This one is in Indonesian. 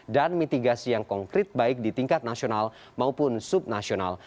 dan mitigasi yang konkret baik di tingkat nasional maupun subnasional